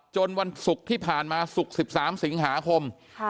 วันศุกร์ที่ผ่านมาศุกร์๑๓สิงหาคม